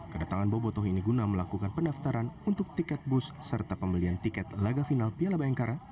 kedatangan bobotoh ini guna melakukan pendaftaran untuk tiket bus serta pembelian tiket laga final piala bayangkara